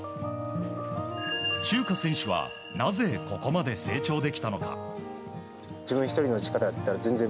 チューカ選手はなぜここまで成長できたのか？